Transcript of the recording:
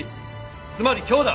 つまり今日だ。